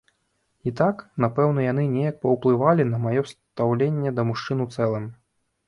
І так, напэўна, яны неяк паўплывалі на маё стаўленне да мужчын у цэлым.